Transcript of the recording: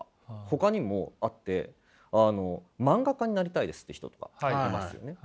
ほかにもあってあの漫画家になりたいですって人とかいますよね。